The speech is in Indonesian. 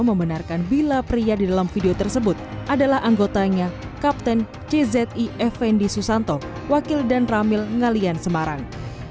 membenarkan bila pria di dalam video tersebut adalah anggotanya kapten czi effendi susanto wakil dan ramil ngalian semarang